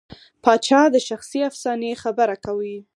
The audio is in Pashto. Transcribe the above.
پاچا د شخصي افسانې خبره کوي.